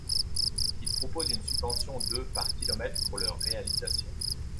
Il propose une subvention de par kilomètre pour leurs réalisations.